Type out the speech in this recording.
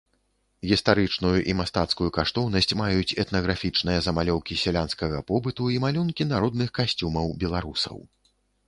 Гістарычную і мастацкую каштоўнасць маюць этнаграфічныя замалёўкі сялянскага побыту і малюнкі народных касцюмаў беларусаў.